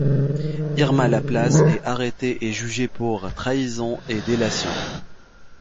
Irma Laplasse est arrêtée et jugée pour trahison et délation.